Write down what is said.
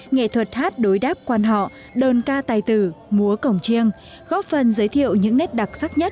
nghệ thuật hát đối đáp quan họ đơn ca tài tử múa cổng chiêng góp phần giới thiệu những nét đặc sắc nhất